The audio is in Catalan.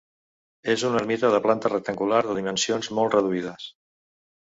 És una ermita de planta rectangular de dimensions molt reduïdes.